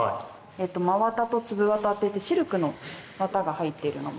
えっと、真綿と粒綿っていって、シルクの綿が入っているのも。